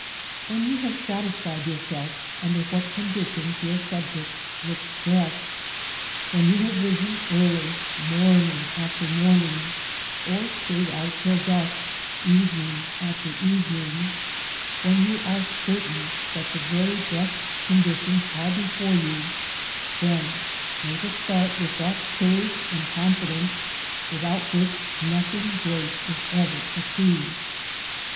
When you have i6 LANDSCAPE PAINTING IN OIL COLOUR. satisfied yourself under what conditions your subject looks best ; when you have risen early, morning after morning, or stayed out till dusk, evening after evening ; when you are certain that the very best conditions are before you, then make a start with that courage and confidence without which nothing great is ever achieved.